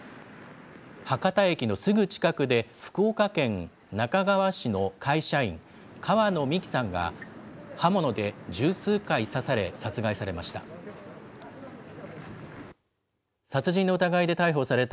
博多駅のすぐ近くで、福岡県那珂川市の会社員、川野美樹さんが、刃物で十数回刺され、殺害されました。